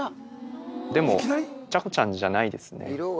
でも、ちゃこちゃんじゃないですね。